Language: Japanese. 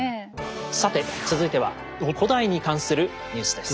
さて続いては古代に関するニュースです。